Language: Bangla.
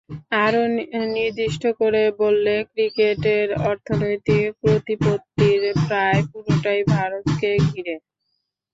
আরও নির্দিষ্ট করে বললে ক্রিকেটের অর্থনৈতিক প্রতিপত্তির প্রায় পুরোটাই ভারতকে ঘিরে।